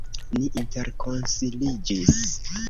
Ni interkonsiliĝis.